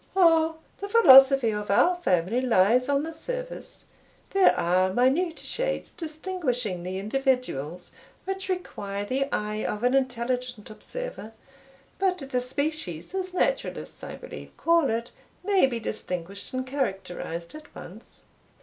"Oh, the philosophy of our family lies on the surface there are minute shades distinguishing the individuals, which require the eye of an intelligent observer; but the species, as naturalists I believe call it, may be distinguished and characterized at once."